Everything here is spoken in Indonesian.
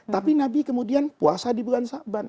tapi nabi kemudian puasa di bulan sabban